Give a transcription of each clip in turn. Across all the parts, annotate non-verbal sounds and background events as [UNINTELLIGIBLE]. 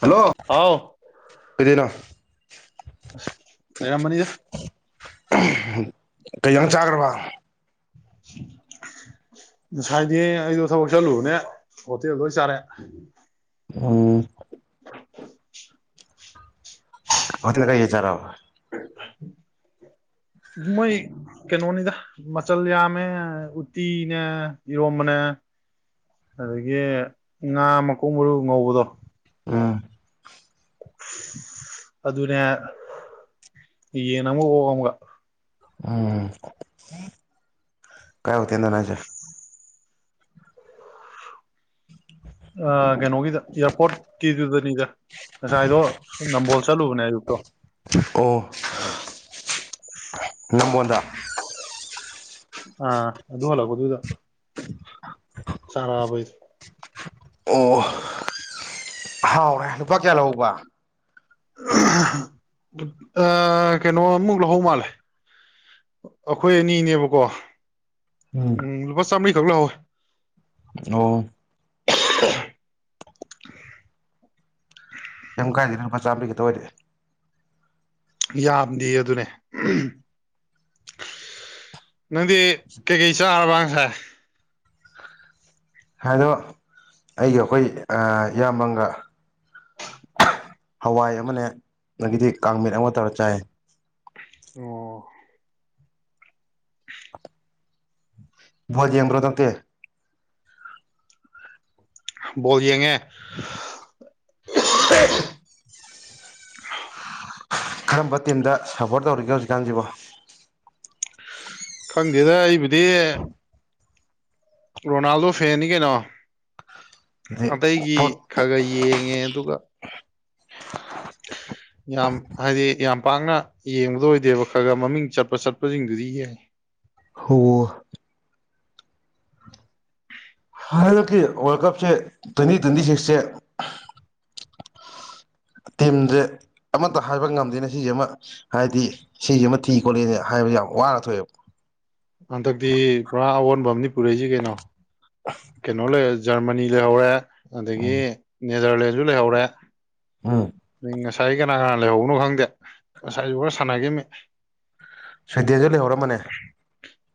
Hello ꯍꯥꯎ ꯀꯩꯗꯩꯅꯣ ꯂꯩꯔꯝ ꯕꯅꯤꯗ ꯀꯩ ꯖꯥꯡ ꯆꯥꯈ꯭ꯔꯕ [UNINTELLIGIBLE] ꯉꯁꯥꯏꯗꯤ ꯑꯩꯗꯣ ꯊꯕꯛ ꯆꯠꯂꯨꯕꯅꯦ ꯍꯣꯇꯦꯜ ꯑꯣꯏ ꯆꯥꯔꯦ ꯎꯝ ꯍꯣꯇꯦꯜꯗ ꯀꯩꯀꯩ ꯆꯔꯛꯑꯕ ꯃꯣꯏ ꯀꯩꯅꯣꯅꯤꯗ ꯃꯆꯜ ꯌꯥꯝꯃꯦ ꯎꯇꯤꯅꯦ ꯏꯔꯣꯝꯕꯅꯦ ꯑꯗꯒꯤ ꯉꯥ ꯃꯀꯣꯛ ꯃꯔꯨ ꯉꯧꯕꯗꯣ ꯑꯥ ꯑꯗꯨꯅꯦ ꯌꯦꯟ ꯑꯉꯧꯕ ꯑꯃꯒ ꯎꯝ ꯀꯥꯏ ꯍꯣꯇꯀꯜꯗꯅꯣ ꯍꯥꯏꯁꯦ ꯑ ꯀꯩꯅꯣꯒꯤꯗ ꯑꯦꯌꯥꯔꯄꯣꯔꯠꯀꯤꯗꯨꯗꯅꯤꯗ ꯉꯁꯥꯏꯗꯣ ꯁꯨꯝ ꯅꯝꯕꯣꯜ ꯆꯠꯂꯨꯕꯅꯦ ꯑꯌꯨꯛꯇꯣ ꯑꯣ ꯅꯝꯕꯣꯟꯗ ꯑꯥ ꯑꯗꯨ ꯍꯜꯂꯛꯄꯗꯨꯗ ꯆꯥꯔꯛꯑꯕ ꯑꯩꯗꯣ ꯑꯣ ꯍꯥꯎꯔꯦ ꯂꯨꯄꯥ ꯀꯌꯥ ꯂꯧꯍꯧꯕ ꯀꯩꯅꯣ ꯑꯃꯨꯛ ꯂꯧꯍꯧ ꯃꯥꯜꯂꯦ ꯑꯩꯈꯣꯏ ꯑꯅꯤꯅꯦꯕꯀꯣ ꯎꯝ ꯂꯨꯄꯥ ꯆꯥꯃꯔꯤꯈꯛ ꯂꯧꯍꯧꯋꯦ ꯑꯣ ꯀꯩꯝ ꯀꯥꯏꯗꯦꯗꯥ ꯂꯨꯄꯥ ꯆꯥꯝꯃꯔꯤ ꯈꯛꯇ ꯑꯣꯏꯔꯗꯤ ꯌꯥꯝꯗꯤꯌꯦ ꯑꯗꯨꯅꯦ ꯅꯪꯗꯤ ꯀꯩꯀꯩ ꯆꯥꯔꯕ ꯉꯁꯥꯏ ꯍꯥꯏꯗꯣ ꯑꯩꯒꯤ ꯑꯩꯈꯣꯏ ꯑ ꯏꯌꯥꯝꯕ ꯑꯃꯒ ꯍꯋꯥꯏ ꯑꯃꯅꯦ ꯑꯗꯒꯤꯗꯤ ꯀꯥꯡꯃꯦꯠ ꯑꯃ ꯇꯧꯔ ꯆꯥꯏ ꯑꯣ ꯕꯣꯜ ꯌꯦꯡꯕꯔꯣ ꯍꯟꯗꯛꯇꯤ ꯕꯣꯜ ꯌꯦꯡꯉꯦ ꯀꯔꯝꯕ ꯇꯤꯝꯗ ꯁꯞꯄꯣꯔꯠ ꯇꯧꯔꯤꯒꯦ ꯍꯧꯖꯤꯛꯀꯥꯟꯁꯤꯕꯣ ꯈꯪꯗꯦꯗ ꯑꯩꯕꯨꯗꯤ ꯔꯣꯅꯥꯜꯗꯣ ꯐꯦꯟꯅꯤ ꯀꯩꯅꯣ ꯍꯥꯏꯗꯤ ꯑꯇꯩꯒꯤ ꯐꯣꯔꯠ ꯈꯔ ꯈꯔ ꯌꯦꯡꯉꯦ ꯑꯗꯨꯒ ꯌꯥꯝ ꯍꯥꯏꯗꯤ ꯌꯥꯝ ꯄꯥꯛꯅ ꯌꯦꯡꯕꯗꯣ ꯑꯣꯏꯗꯦꯕ ꯈꯔ ꯈꯔ ꯃꯃꯤꯡ ꯆꯠꯄ ꯆꯠꯄꯁꯤꯡꯗꯨꯗꯤ ꯌꯦꯡꯉꯦ ꯍꯨ ꯍꯟꯗꯛꯀꯤ ꯋꯥꯔꯜ ꯀꯞꯁꯦ ꯇ꯭ꯋꯦꯟꯇꯤ ꯇ꯭ꯋꯦꯟꯇꯤ ꯁꯤꯛꯁꯁꯦ ꯇꯤꯝꯖꯦ ꯑꯃꯠꯇ ꯍꯥꯏꯕ ꯉꯝꯗꯦꯅꯦ ꯁꯤꯖꯦ ꯑꯃ ꯍꯥꯏꯗꯤ ꯁꯤꯖꯤ ꯑꯃ ꯊꯤ ꯈꯣꯠꯂꯦꯅ ꯍꯥꯏꯕꯁꯦ ꯌꯥꯝ ꯋꯥꯅ ꯊꯣꯛꯑꯦꯕ ꯍꯟꯗꯛꯇꯤ ꯄꯨꯔꯥ ꯑꯑꯣꯟꯕ ꯑꯃꯅꯤ ꯄꯨꯔꯛꯏꯁꯤ ꯀꯩꯅꯣ ꯀꯩꯅꯣ ꯂꯩ ꯖꯔꯃꯅꯤ ꯂꯩꯍꯧꯔꯦ ꯑꯗꯒꯤ ꯎꯝ ꯅꯦꯗꯔꯂꯦꯟꯁꯨ ꯂꯩꯍꯧꯔꯦ ꯑꯥ ꯑꯗꯩ ꯉꯁꯥꯏ ꯀꯅꯥ ꯀꯅꯥ ꯂꯩꯍꯧꯕꯅꯣ ꯈꯪꯗꯦ ꯉꯁꯥꯏꯁꯨ ꯈꯔ ꯁꯥꯟꯅꯒꯤꯝꯅꯤ ꯁ꯭ꯋꯤꯗꯦꯟꯖꯨ ꯂꯩꯍꯧꯔꯝꯃꯅꯤ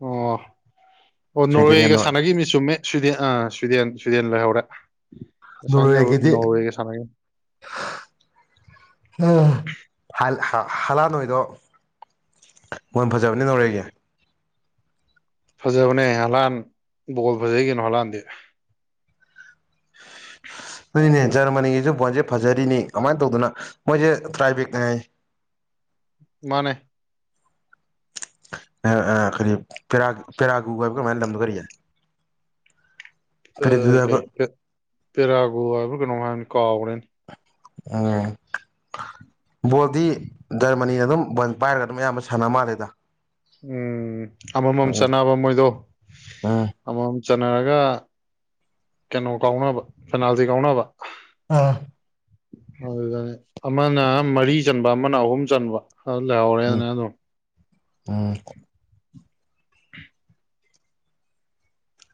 ꯑꯣ ꯑꯣ ꯁ꯭ꯋꯤꯗꯦꯟꯒ ꯅꯣꯔꯋꯦꯒ ꯅꯣꯔ ꯁꯥꯟꯅꯒꯤꯝꯅꯤ ꯆꯨꯝꯃꯦ ꯁ꯭ꯋꯤꯗꯦꯟ ꯑ ꯁ꯭ꯋꯤꯗꯦꯟ ꯁ꯭ꯋꯤꯗꯦꯟ ꯂꯩꯍꯧꯔꯦ ꯉꯁꯥꯏ ꯅꯣꯔ ꯅꯣꯔꯋꯦꯒꯤꯗꯤ ꯅꯣꯔꯋꯦꯒ ꯁꯥꯟꯅꯒꯅꯤ ꯍꯥꯜ ꯍꯥ ꯍꯥꯂꯥꯟ ꯍꯣꯏꯗꯣ ꯕꯣꯟ ꯐꯖꯕꯅꯤ ꯅꯣꯔꯋꯦꯒꯤ ꯐꯖꯕꯅꯦ ꯍꯥꯂꯥꯟ ꯕꯣꯜ ꯐꯖꯩ ꯀꯩꯅꯣ ꯍꯥꯂꯥꯟꯗꯤ ꯁꯤꯅꯦ ꯖꯔꯃꯅꯤꯒꯤꯁꯨ ꯕꯣꯟꯖꯦ ꯐꯖꯔꯤꯅꯤ ꯀꯃꯥꯏꯅ ꯇꯧꯗꯅ ꯃꯣꯏꯁꯦ ꯇ꯭ꯔꯥꯏꯕꯤꯛ ꯅꯤ ꯍꯥꯏ ꯃꯥꯅꯦ ꯑ ꯑ ꯀꯔꯤ ꯄꯦꯔ ꯄꯦꯔꯥꯒꯨ ꯍꯥꯏꯕ ꯀꯩꯅꯣꯝ ꯍꯥꯏ ꯂꯝꯗꯣ ꯀꯔꯤ ꯑ ꯄꯦꯔꯥꯒꯨ ꯍꯥꯏꯕ ꯀꯩ ꯄꯦ ꯄꯦꯔꯥꯒꯣ ꯍꯥꯏꯕ꯭ꯔꯥ ꯀꯩꯅꯣꯝ ꯍꯥꯏꯕꯅꯤ ꯀꯥꯎꯒ꯭ꯔꯦꯅꯦ ꯑꯥ ꯕꯣꯜꯗꯤ ꯃꯔꯃꯅꯤꯅ ꯑꯗꯨꯝ ꯕꯣꯜ ꯄꯥꯏꯔꯒ ꯑꯗꯨꯝ ꯑꯌꯥꯝꯕ ꯁꯥꯟꯅ ꯃꯥꯜꯂꯦꯗ ꯎꯝ ꯑꯃꯃꯝ ꯎꯝ ꯆꯟꯅꯕ ꯃꯣꯏꯗꯣ ꯎꯝ ꯑꯃꯃꯝ ꯆꯟꯅꯔꯒ ꯀꯩꯅꯣ ꯀꯥꯎꯅꯕ ꯄꯦꯅꯥꯜꯇꯤ ꯀꯥꯎꯅꯕ ꯑꯥ ꯑꯗꯨꯗꯅꯤ ꯑꯃꯅ ꯃꯔꯤ ꯆꯟꯕ ꯑꯃꯅ ꯑꯍꯨꯝ ꯆꯟꯕ ꯑꯗꯨ ꯎꯝ ꯂꯩꯍꯧꯔꯦꯅ ꯑꯗꯨꯝ ꯎꯝ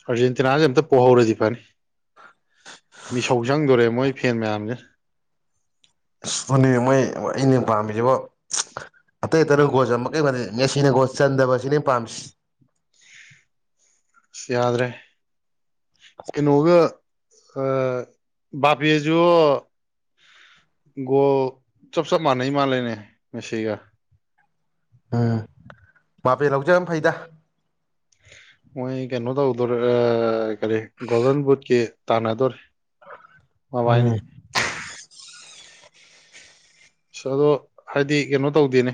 ꯑꯥꯔꯖꯦꯟꯇꯤꯅꯥꯁꯦ ꯑꯝꯇ ꯄꯣꯍꯧꯔꯗꯤ ꯐꯅꯤ ꯃꯤꯁꯧ ꯆꯪꯗꯣꯔꯦ ꯃꯣꯏ ꯐꯦꯟ ꯃꯌꯥꯝꯁꯤꯅ ꯑꯁ ꯑꯗꯨꯅꯦ ꯃꯣꯏ ꯑꯩꯅ ꯄꯥꯝꯃꯤꯖꯤꯕꯣ ꯑꯇꯩ ꯑꯇꯩꯅ ꯒꯣꯜ ꯆꯟꯕ ꯀꯦꯝ ꯈꯟꯗꯦ ꯃꯦꯁꯤꯅ ꯒꯣꯜ ꯆꯟꯗꯕꯁꯤꯅꯦ ꯄꯥꯝꯃꯤꯁꯤ ꯑꯁ ꯌꯥꯗ꯭ꯔꯦ ꯀꯩꯅꯣꯒ ꯑ ꯕꯥꯄꯦꯖꯨ ꯒꯣꯜ ꯆꯞ ꯆꯞ ꯃꯥꯟꯅꯩ ꯃꯥꯜꯂꯦꯅꯦ ꯃꯦꯁꯤꯒ ꯎꯝ ꯕꯥꯥꯄꯦ ꯂꯧꯖꯕꯟ ꯐꯩꯗꯥ ꯃꯣꯏ ꯀꯩꯅꯣ ꯇꯧꯗꯣꯔꯦ ꯑ ꯀꯔꯤ ꯒꯣꯜꯗꯟ ꯕꯨꯠꯀꯤ ꯇꯥꯟꯅꯗꯣꯔꯦ ꯃꯕꯥꯥꯏꯅꯤ ꯎꯝ ꯑꯁ ꯑꯗꯣ ꯍꯥꯏꯗꯤ ꯀꯩꯅꯣ ꯇꯧꯗꯦꯅꯦ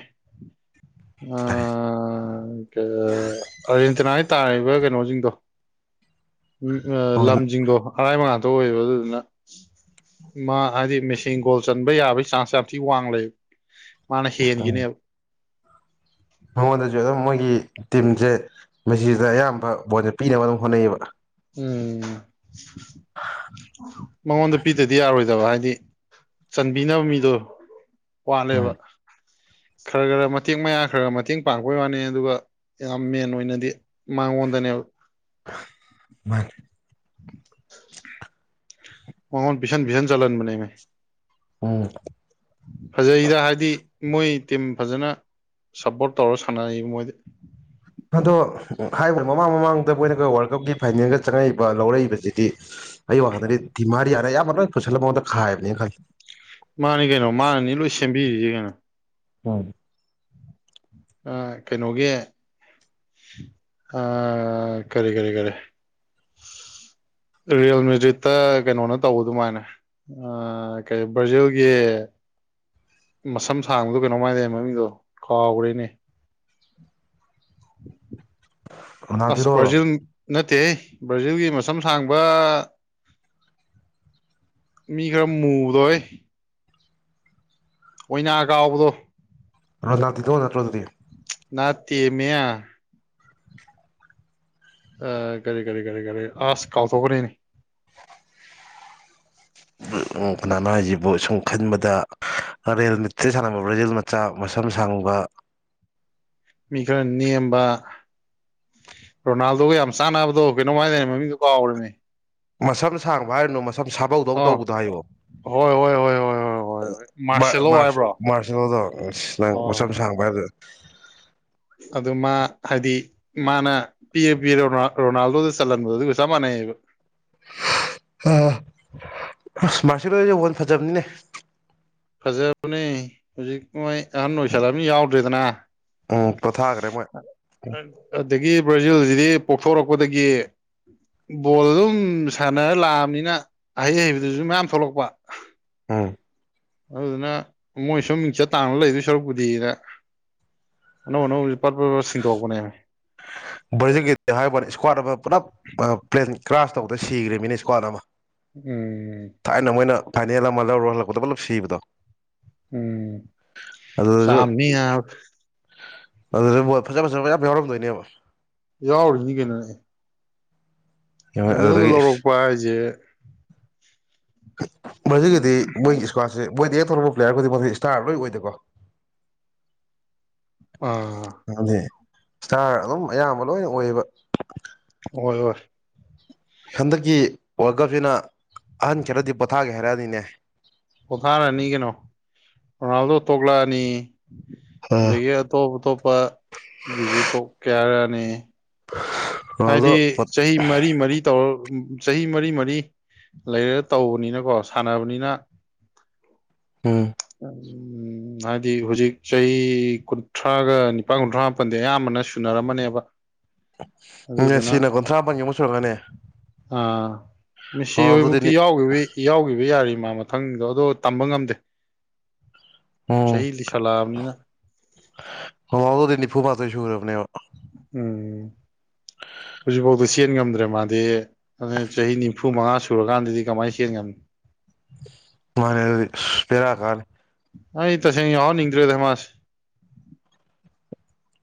ꯑ ꯇꯔꯦ ꯑ ꯀ ꯑꯥꯔꯖꯦꯟꯇꯤꯅꯥꯒꯤ ꯇꯥꯔꯤꯕ ꯀꯩꯅꯣꯖꯤꯡꯗꯣ ꯎꯝ ꯑ ꯂꯝꯖꯤꯡꯗꯣ ꯑꯔꯥꯏꯕꯉꯥꯛꯇ ꯑꯣꯏꯌꯦꯕ ꯑꯗꯨꯗꯨꯅ ꯃꯥ ꯍꯥꯏꯗꯤ ꯃꯦꯁꯤ ꯒꯣꯜ ꯆꯟꯕ ꯌꯥꯕꯒꯤ ꯆꯥꯟꯁ ꯌꯥꯝ ꯊꯤ ꯋꯥꯡ ꯂꯩ ꯃꯥꯅ ꯍꯦꯟꯒꯤꯅꯦꯕ ꯃꯉꯣꯟꯗꯁꯨ ꯑꯗꯨꯝ ꯃꯣꯏꯒꯤ ꯇꯤꯝꯖꯦ ꯃꯦꯁꯤꯗ ꯑꯌꯥꯝꯕ ꯕꯣꯜꯁꯦ ꯄꯤꯅꯕ ꯑꯗꯨꯝ ꯍꯣꯠꯅꯩꯌꯦꯕ ꯎꯝ ꯃꯉꯣꯟꯗ ꯄꯤꯗꯗꯤ ꯌꯥꯔꯣꯏꯗꯕ ꯍꯥꯏꯗꯤ ꯆꯟꯕꯤꯅꯕ ꯃꯤꯗꯣ ꯎꯝ ꯋꯥꯠꯂꯦꯕ ꯈꯔ ꯈꯔ ꯃꯇꯦꯛ ꯃꯌꯥ ꯈꯔ ꯈꯔ ꯃꯇꯦꯡ ꯄꯥꯡꯕꯩ ꯋꯥꯅꯤ ꯑꯗꯨꯒ ꯌꯥꯝ ꯃꯦꯟ ꯑꯣꯏꯅꯗꯤ ꯃꯉꯣꯟꯗꯅꯦꯕ ꯍꯥ ꯃꯥꯅꯦ ꯃꯉꯣꯟ ꯄꯤꯁꯟ ꯄꯤꯁꯟ ꯆꯟꯍꯟꯕꯅꯦꯃꯦ ꯎꯝ ꯐꯖꯩꯗ ꯍꯥꯏꯗꯤ ꯃꯣꯏ ꯇꯤꯝ ꯐꯖꯅ ꯁꯞꯄꯣꯔꯠ ꯇꯧꯔ ꯁꯥꯟꯅꯩ ꯃꯣꯏꯗꯤ ꯑꯗꯣ ꯍꯥꯏꯕꯗꯤ ꯃꯃꯥꯡ ꯃꯃꯥꯡꯗ ꯃꯣꯏꯅꯒ ꯋꯥꯔꯜ ꯀꯞꯀꯤ ꯐꯥꯏꯅꯦꯜꯒ ꯆꯪꯉꯛꯏꯕ ꯂꯧꯔꯛꯏꯕꯁꯤꯗꯤ ꯑꯩ ꯋꯥꯈꯜꯗꯗꯤ ꯗꯤꯃꯥꯔꯤꯌꯥꯅ ꯑꯌꯥꯝꯕ ꯂꯣꯏ ꯄꯨꯁꯜꯂ ꯃꯉꯣꯟꯗ ꯈꯥꯏꯕꯅꯦꯅ ꯈꯜꯂꯤ ꯃꯥꯅꯤ ꯀꯩꯅꯣ ꯃꯥꯅꯅꯤ ꯂꯣꯏ ꯁꯦꯝꯕꯤꯔꯤꯁꯦ ꯀꯩꯅꯣ ꯎꯝ ꯑꯥ ꯀꯩꯅꯣꯒꯤ ꯑꯥ ꯀꯔꯤ ꯀꯔꯤ ꯀꯔꯤ ꯔꯤꯌꯦꯜ ꯃꯦꯗ꯭ꯔꯤꯠꯇ ꯀꯩꯅꯣꯅ ꯇꯧꯕ ꯑꯗꯨꯃꯥꯏꯅ ꯑꯥ ꯀꯔꯤ ꯕ꯭ꯔꯥꯖꯤꯜꯒꯤ ꯃꯁꯝ ꯁꯥꯡꯕꯗꯣ ꯀꯩꯅꯣꯝ ꯍꯥꯏꯗꯥꯏꯅꯦ ꯃꯃꯤꯡꯗꯣ ꯀꯥꯎꯒ꯭ꯔꯦꯅꯦ [INAUDIBLE] ꯑꯁ ꯔꯣꯅꯥꯜꯗꯤꯅꯣꯔꯣ ꯕ꯭ꯔꯥꯖꯤꯜ ꯅꯠꯇꯦꯍꯦ ꯕ꯭ꯔꯥꯖꯤꯜꯒꯤ ꯃꯁꯝ ꯁꯥꯡꯕ ꯃꯤ ꯈꯔ ꯃꯨꯕꯗꯣꯍꯩ ꯑꯣꯏꯅꯥ ꯀꯥꯎꯕꯗꯣ ꯔꯣꯅꯥꯜꯇꯤꯗꯣ ꯅꯠꯇ꯭ꯔꯣ ꯑꯗꯨꯗꯤ ꯅꯠꯇꯦꯃꯦ ꯑꯥ ꯀꯔꯤ ꯀꯔꯤ ꯀꯔꯤ ꯀꯔꯤ ꯑꯁ ꯀꯥꯎꯊꯣꯛꯈ꯭ꯔꯦꯅꯦ ꯎꯝ ꯀꯅꯥꯅꯣ ꯍꯥꯏꯁꯤꯕꯣ ꯁꯨꯝ ꯈꯟꯕꯗ ꯔꯦꯜꯃꯤꯠꯇ ꯁꯥꯟꯅꯕ ꯕ꯭ꯔꯥꯖꯤꯜ ꯃꯆꯥ ꯃꯁꯝ ꯁꯥꯡꯕ ꯃꯤ ꯈꯔ ꯅꯦꯝꯕ ꯔꯣꯅꯥꯜꯗꯣꯒ ꯌꯥꯝ ꯆꯥꯟꯅꯕꯗꯣ ꯀꯩꯅꯣꯝ ꯍꯥꯏꯗꯥꯢꯅꯦ ꯃꯃꯤꯗꯣ ꯀꯥꯎꯒ꯭ꯔꯦꯃꯤ ꯃꯁꯝ ꯁꯥꯡꯕ ꯍꯥꯏꯔꯨꯅꯨ ꯃꯁꯝ ꯁꯥꯕꯧꯗꯧꯅ ꯑꯣ ꯇꯧꯕꯗꯣ ꯍꯥꯏꯌꯣ ꯍꯣꯏ ꯍꯣꯏ ꯍꯣꯏ ꯍꯣꯏ ꯍꯣꯏ ꯍꯣꯏ ꯍꯣꯏ ꯃꯥꯔꯁ ꯃꯥꯔꯁꯦꯂꯣ ꯃꯥꯔꯁ ꯍꯥꯏꯕ꯭ꯔꯣ ꯃꯥꯔꯁꯦꯜꯂꯣꯗꯣ ꯑꯁ ꯅꯪ ꯍꯣꯏ ꯃꯁꯝ ꯍꯣꯏ ꯁꯥꯡꯕ ꯍꯥꯏꯕꯗꯨꯗ ꯑꯗꯨ ꯃꯥ ꯍꯥꯏꯗꯤ ꯃꯥꯅ ꯄꯤꯔꯥ ꯄꯤꯔꯥ ꯔꯣꯅꯥꯜ ꯔꯣꯅꯥꯜꯗꯣꯗ ꯆꯜꯍꯟꯕꯗꯣ ꯑꯗꯨꯒ ꯆꯞ ꯃꯥꯟꯅꯩꯌꯦꯕ ꯑꯥ ꯍꯁ ꯃꯥꯔꯁꯤꯂꯣꯁꯦ [UNINTELLIGIBLE] ꯐꯖꯕꯅꯤꯅꯦ ꯐꯖꯕꯅꯦ ꯍꯧꯖꯤꯛ ꯃꯣꯏ ꯑꯍꯟ ꯑꯣꯏꯁꯜꯂꯛꯑꯝꯅꯤꯅ ꯌꯥꯎꯗ꯭ꯔꯦꯗꯅ ꯎꯝ ꯄꯣꯊꯥꯈ꯭ꯔꯦ ꯃꯣꯏ ꯑꯥ ꯑꯗꯒꯤ ꯕ꯭ꯔꯥꯖꯤꯜꯁꯤꯗꯤ ꯄꯣꯛꯊꯣꯔꯛꯄꯗꯒꯤ ꯕꯣꯜ ꯑꯗꯨꯝ ꯁꯥꯟꯅꯔ ꯂꯥꯛꯑꯕꯅꯤꯅ ꯑꯍꯩ ꯍꯩꯕꯗꯨꯁꯨ ꯃꯌꯥꯝ ꯊꯣꯛꯂꯛꯄ ꯎꯝ ꯑꯗꯨꯗꯨꯅ ꯃꯣꯏꯁꯨꯝ ꯃꯤꯡꯆꯠ ꯇꯥꯟꯅ ꯂꯩꯗꯣꯏ ꯁꯔꯨꯛꯄꯨꯗꯤꯅ ꯑꯅꯧ ꯑꯅꯧꯕꯖꯦ ꯄꯠ ꯄꯠ ꯄꯠ ꯁꯤꯟꯗꯣꯛꯄꯅꯦꯃꯦ ꯕ꯭ꯔꯥꯖꯤꯜ ꯒꯤꯗꯤ ꯍꯥꯏ ꯋꯥꯅꯦ ꯏꯁꯀ꯭ꯋꯥꯠ ꯑꯃ ꯄꯨꯂꯞ ꯑꯥ ꯄ꯭ꯂꯦꯟ ꯀ꯭ꯔꯥꯁ ꯇꯧꯕꯗ ꯁꯤꯒ꯭ꯔꯤꯃꯤꯅ ꯁꯀ꯭ꯋꯥꯠ ꯑꯃ ꯎꯝ ꯊꯥꯏꯅ ꯃꯣꯏꯅ ꯐꯥꯏꯅꯦꯜ ꯑꯃ ꯂꯧꯔꯨꯔ ꯍꯜꯂꯛꯄꯗ ꯄꯨꯂꯞ ꯁꯤꯕꯗꯣ ꯎꯝ ꯑꯗꯨꯗꯁꯨ ꯆꯥꯝꯅꯤ ꯑꯗꯨꯗꯖꯨ ꯕꯣꯜ ꯐꯖ ꯐꯖꯕ ꯃꯌꯥꯝ ꯌꯥꯎꯔꯝꯗꯣꯏꯅꯦꯕ ꯌꯥꯎꯔꯤꯃꯤ ꯀꯩꯅꯣꯅꯦ ꯑꯦ ꯐꯅꯤꯜꯒ ꯑꯗꯨꯗꯒꯤ ꯂꯧꯔꯛꯄ ꯍꯥꯏꯁꯦ ꯕꯔꯥꯖꯤꯜ ꯒꯤꯗꯤ ꯃꯣꯏꯒꯤ ꯏꯁꯀ꯭ꯋꯥꯠꯁꯦ ꯃꯣꯏꯗ ꯍꯦꯛ ꯇꯧꯔꯛꯄ ꯄ꯭ꯂꯦꯌꯔ ꯈꯨꯗꯤꯪꯃꯀꯁꯦ ꯏꯁꯇꯥꯔ ꯂꯣꯏ ꯑꯣꯏꯗꯀꯣ ꯑꯥ ꯑꯅꯦ ꯏꯁꯇꯥꯔ ꯑꯗꯨꯝ ꯑꯌꯥꯝꯕ ꯂꯣꯏꯅ ꯑꯣꯏꯌꯦꯕ ꯍꯣꯏ ꯍꯣꯏ ꯍꯟꯗꯛꯀꯤ ꯋꯥꯔꯜ ꯀꯞꯁꯤꯅ ꯑꯍꯟ ꯈꯔꯗꯤ ꯄꯣꯊꯥꯒꯦ ꯍꯥꯏꯔꯛꯑꯅꯤꯅꯦ ꯄꯣꯊꯥꯔꯅꯤ ꯀꯩꯅꯣ ꯔꯣꯅꯥꯜꯗꯣ ꯇꯣꯂꯛꯑꯅꯤ ꯑꯗꯒꯤ ꯑꯇꯣꯞ ꯑꯇꯣꯞꯄ ꯒꯤꯁꯨ ꯇꯣꯛ ꯀꯌꯥꯔꯅꯤ ꯔꯣꯅꯥꯜꯗꯣ ꯍꯥꯏꯗꯤ ꯆꯍꯤ ꯃꯔꯤ ꯃꯔꯤ ꯇꯧꯔ ꯆꯍꯤ ꯃꯔꯤ ꯃꯔꯤ ꯂꯩꯔꯒ ꯇꯧꯕꯅꯤꯅꯀꯣ ꯁꯥꯟꯅꯕꯅꯤꯅ ꯎꯝ ꯎ ꯎ ꯎꯝ ꯍꯥꯏꯗꯤ ꯍꯧꯖꯤꯛ ꯆꯍꯤ ꯀꯨꯟꯊ꯭ꯔꯥꯒ ꯅꯤꯄꯜ ꯀꯨꯟꯊ꯭ꯔꯥ ꯃꯥꯄꯟꯗꯤ ꯑꯌꯥꯝꯕꯅ ꯁꯨꯅꯔꯝꯃꯅꯦꯕ ꯑꯗꯨꯗꯨꯅ ꯃꯁꯤꯟ ꯀꯨꯟꯊ꯭ꯔꯥ ꯃꯥꯄꯒꯤ ꯑꯃꯨꯛ ꯁꯨꯔꯛꯀꯅꯦ ꯑꯥ ꯃꯤꯁꯤ ꯍꯣꯏꯐꯧꯇꯤ ꯌꯥꯎꯈꯤꯕ ꯌꯥꯎꯈꯤꯕ ꯌꯥꯔꯤ ꯃꯥ ꯃꯊꯪꯗꯣ ꯑꯗꯣ ꯇꯝꯕ ꯉꯝꯗꯦ ꯆꯍꯤ ꯂꯤꯁꯜꯂꯛꯑꯕꯅꯤꯅ ꯒꯤ ꯑꯗꯨꯗꯤ ꯅꯤꯐꯨ ꯃꯥꯇ ꯁꯍꯔꯅꯦꯕ ꯎꯝ ꯍꯧꯖꯤꯛꯐꯥꯎꯗ ꯆꯦꯟ ꯉꯝꯗ꯭ꯔꯦ ꯃꯥꯗꯤ ꯑꯗꯨꯅꯦ ꯆꯍꯤ ꯅꯤꯐꯨ ꯃꯉꯥ ꯁꯨꯔꯀꯥꯟꯗꯗꯤ ꯀꯃꯥꯏꯅ ꯆꯟ ꯉꯟꯅꯏ ꯃꯥꯅꯦ ꯑꯗꯨꯗꯤ ꯑꯁ ꯕꯦꯔꯥ ꯀꯥꯔ ꯑꯩ ꯇꯁꯦꯡ ꯌꯧ ꯍꯟ ꯅꯤꯡꯗ꯭ꯔꯦꯗꯃꯁ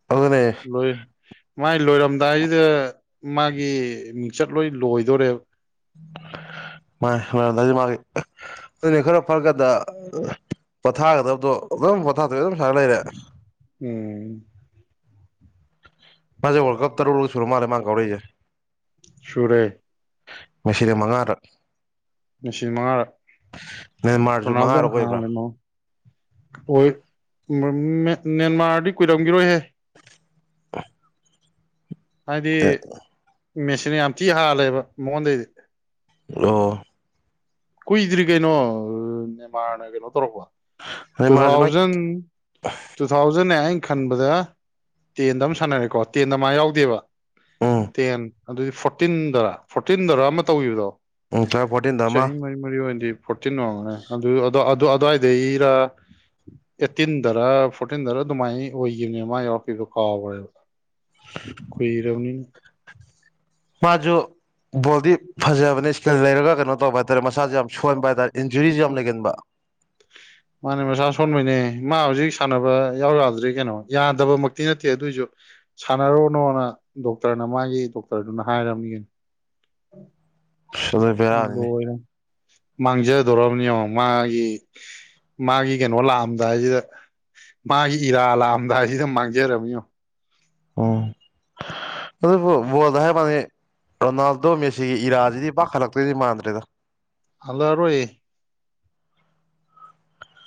ꯑꯗꯨꯅꯦ ꯂꯣꯏ ꯃꯥꯏ ꯂꯣꯏꯔꯝꯗꯥꯏꯁꯤꯗ ꯃꯥꯒꯤ ꯃꯤꯡꯆꯠ ꯂꯣꯏ ꯂꯣꯏꯗꯣꯔꯦꯕ ꯎ [UNINTELLIGIBLE] ꯃꯥꯏ ꯂꯧꯔꯃꯗꯥꯏ ꯃꯒꯤ ꯑꯗꯨꯅꯦ ꯈꯔ ꯐꯔꯀꯗ ꯄꯣꯊꯥꯒꯗꯕꯗꯣ ꯑꯗꯨꯝ ꯄꯣꯊꯥ ꯒꯗꯕꯗꯣ ꯑꯗꯨꯝ ꯁꯥꯔ ꯂꯩꯔꯦ ꯎꯝ ꯃꯥꯁꯦ ꯋꯔꯂꯗꯀꯥꯞ ꯇꯥꯔꯨꯛ ꯂꯛ ꯁꯨꯔ ꯃꯥꯜꯦ ꯃꯥ ꯀꯧꯔꯑꯀꯂꯤꯁꯦ ꯁꯨꯔꯦ ꯃꯁꯤꯅꯥ ꯃꯉꯥꯔꯛ ꯃꯦꯁꯁꯤꯅꯥ ꯃꯉꯥꯗ ꯅꯦꯃꯥꯔꯁꯨ ꯃꯉꯥꯔꯛ ꯔꯣꯅꯥꯜꯗꯣꯅ ꯑꯣꯏꯕ꯭ꯔꯥ ꯍꯥꯡꯂꯦ ꯃꯃꯡ ꯍꯣꯏ ꯃꯦꯟ ꯅꯦꯃꯔ ꯗꯤ ꯀꯨꯏꯔꯝꯈꯤꯔꯣꯏꯍꯦ ꯑ ꯍꯥꯏꯗꯤ ꯃꯦꯁꯦꯟ ꯌꯥꯝ ꯊꯤ ꯍꯥꯜꯂꯦꯕ ꯃꯉꯣꯟꯗꯩꯗꯤ ꯑꯣ ꯀꯨꯏꯗ꯭ꯔꯤ ꯀꯩꯅꯣ ꯅꯦꯃꯥꯔꯅ ꯀꯩꯅꯣ ꯇꯧꯔꯛꯔꯕ ꯇꯨ ꯅꯦꯃꯥꯔꯁꯨ ꯃꯥꯏ ꯊꯥꯎꯖꯟ ꯇꯨ ꯊꯥꯎꯖꯟ ꯑꯩꯅ ꯈꯟꯕꯗ ꯇꯦꯟꯗ ꯑꯃ ꯁꯥꯟꯅꯔꯦꯀꯣ ꯇꯦꯟꯗ ꯃꯥ ꯌꯥꯎꯗꯦꯕ ꯎꯝ ꯇꯦꯟ ꯑꯗꯨꯗꯤ ꯐꯣꯔꯇꯤꯟꯗꯔꯥ ꯐꯣꯔꯇꯤꯟꯗꯔ ꯑꯃ ꯇꯧꯒꯦꯕꯗꯣ ꯎ [UNINTELLIGIBLE] ꯐꯣꯔꯇꯤꯟ ꯗ ꯑꯃ ꯆꯍꯤ ꯃꯔꯤ ꯃꯔꯤ ꯑꯣꯏꯅꯗꯤ ꯐꯣꯔꯇꯤꯟ ꯋꯥꯡꯉꯅꯦ ꯑꯗꯨ ꯑꯗꯨꯋꯥꯏꯗꯩꯔ ꯑꯦꯠꯇꯤꯟꯗꯔ ꯐꯣꯔꯇꯤꯟꯗꯔ ꯑꯗꯨꯃꯥꯏꯅ ꯑꯣꯏꯈꯤꯕꯅꯦ ꯃꯥ ꯌꯥꯎꯔꯛꯈꯤꯕꯗꯣ ꯀꯥꯎꯈ꯭ꯔꯦꯕ ꯀꯣꯏ ꯔꯧꯅꯤꯅꯤ ꯃꯥꯁꯨ ꯕꯣꯜꯗꯤ ꯐꯖꯕꯅꯦ ꯏꯁꯀꯤꯜ ꯂꯩꯔꯒ ꯀꯩꯅꯣ ꯇꯧꯕ ꯍꯥꯏꯇꯥꯔꯦ ꯃꯁꯥꯥꯁ ꯌꯥꯝ ꯁꯣꯟꯕ ꯍꯥꯏꯇꯥꯔꯦ ꯏꯟꯖꯨꯔꯤꯁꯨ ꯌꯥꯝ ꯂꯩꯒꯟꯕ ꯃꯥꯅꯦ ꯃꯁꯥ ꯁꯣꯟꯕꯩꯅꯦ ꯃꯥ ꯍꯧꯖꯤꯛ ꯁꯥꯟꯅꯕ ꯌꯥꯎ ꯌꯥꯗ꯭꯭ꯔꯤ ꯀꯩꯅꯣ ꯌꯥꯗꯕꯃꯛꯇꯤ ꯅꯠꯇꯦ ꯑꯗꯨꯑꯣꯏꯁꯨ ꯁꯥꯟꯅꯔꯣꯅꯣꯅ ꯗꯣꯛꯇꯔꯅ ꯃꯥꯒꯤ ꯗꯣꯛꯇꯔꯗꯨꯅ ꯍꯥꯏꯔꯝꯃꯤꯅꯤ ꯑꯁ ꯑꯗꯨ ꯕꯦꯔꯥꯅꯤꯅꯦ ꯂ‌ꯣꯏꯔ‌ꯦ ꯃꯥꯡꯖꯗꯧꯔꯕꯅꯦ ꯌ‌ꯦꯡꯉꯣ ꯃꯥꯒꯤ ꯃꯥꯒꯤ ꯀꯩꯅꯣ ꯂꯥꯛꯑꯝꯗꯥꯏꯁꯤꯗ ꯃꯥꯒꯤ ꯏꯔꯥ ꯂꯥꯛꯑꯝꯗꯥꯏꯁꯤꯗ ꯃꯥꯡꯖꯔꯝꯅꯤ ꯌ‌ꯦꯡꯉ‌ꯣ ꯎꯝ ꯑꯗꯨꯕꯨ ꯕ‌ꯣꯜꯗ ꯍꯥꯏꯕ ꯋꯥꯅꯤ ꯔꯣꯅꯥꯜꯗꯣ ꯃꯦꯁꯤꯒꯤ ꯏꯔꯥꯁꯤꯗꯤ ꯄꯥꯛ ꯍꯜꯂꯛꯇꯣꯏꯗꯤ ꯃꯥꯟꯗ꯭ꯔꯦꯗ꯫ ꯍꯜꯂꯛꯑꯔꯣꯏꯌ‌ꯦ꯫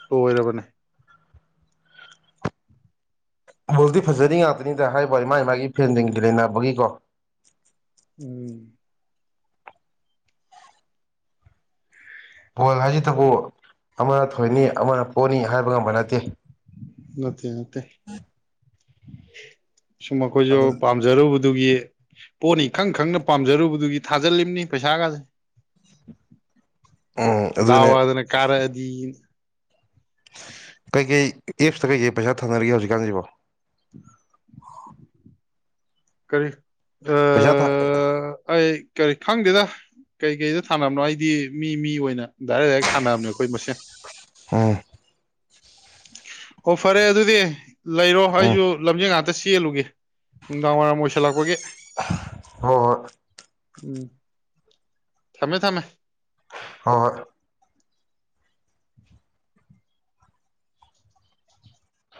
ꯂꯣꯏꯔꯕꯅꯦ꯫ ꯕꯣꯜꯗꯤ ꯐꯖꯔꯤ ꯉꯥꯛꯇꯅꯤꯗ ꯍꯥꯏꯕꯋꯥꯅꯤ ꯃꯥꯏ ꯃꯥꯏꯒꯤ ꯐ‌ꯦꯟꯁꯤꯡꯗ‌ꯣ ꯂꯥꯛꯄꯒꯤꯀ‌ꯣ ꯎꯝ ꯕꯣꯜ ꯍꯥꯏꯁꯤꯇꯕꯨ ꯑꯃꯅ ꯊꯣꯏꯅꯤ ꯑꯃꯅ ꯄꯣꯅꯤ ꯍꯥꯏꯕ ꯉꯝꯕ ꯅꯠꯇꯦ꯫ ꯅꯠꯇꯦ ꯅꯠꯇꯦ ꯁꯨꯝ ꯑꯩꯈꯣꯏꯁꯨ ꯑꯗꯨ ꯄꯥꯝꯖꯔꯨꯕꯗꯨꯒꯤ ꯄꯣꯅꯤ ꯈꯪ ꯈꯪꯅ ꯄꯥꯝꯖꯔꯨꯕꯗꯨꯒꯤ ꯊꯥꯖꯜꯂꯤꯕꯅꯤ ꯄꯩꯁꯥꯒꯁꯦ꯫ ꯎꯝ ꯗꯥꯎ ꯑꯗꯨꯅꯦ ꯌꯥꯗꯅ ꯀꯥꯔꯛꯑꯗꯤꯅ꯫ ꯀꯩꯀꯩ ꯑꯦꯞꯁꯇ ꯀꯩꯀꯩ ꯄꯩꯁꯥ ꯊꯥꯅꯔꯤꯒꯦ ꯍꯧꯖꯤꯛꯀꯥꯟꯁꯤꯕꯣ꯫ [INAUDIBLE] ꯀꯔꯤ? ꯄꯩꯁꯥ ꯊꯥ ꯑꯥ, ꯑꯩ ꯀꯔꯤ ꯈꯪꯗꯦꯗ꯫ ꯀꯩ ꯀꯩꯗ ꯊꯥꯅꯕꯅꯣ ꯑꯩꯗꯤ ꯃꯤ ꯃꯤ ꯑꯣꯏꯅ ꯗꯥꯏꯔꯦꯛ ꯗꯥꯏꯔꯦꯛ ꯊꯥꯅꯕꯅꯦ ꯑꯩꯈꯣꯏ ꯃꯁꯦꯟ꯫ ꯍꯥ ꯑꯣ ꯐꯔꯦ ꯑꯗꯨꯗꯤ ꯂꯩꯔꯣ ꯎꯝ ꯑꯩꯁꯨ ꯂꯝꯖꯦꯜ ꯉꯥꯛꯇ ꯆꯦꯜꯂꯨꯒꯦ꯫ ꯅꯨꯡꯗꯥꯡ ꯋꯥꯏꯔꯝ ꯑꯣꯏꯁꯤꯜꯂꯛꯄꯒꯤ꯫ ꯍ ꯍꯣ ꯍꯣꯏ ꯎꯝ ꯊꯝꯃꯦ ꯊꯝꯃꯦ꯫ ꯍꯣꯏ ꯍ‌ꯣꯏ